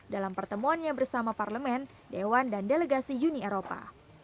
dalam pertemuannya bersama parlemen dewan dan delegasi uni eropa